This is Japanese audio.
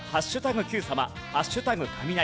Ｑさま＃雷。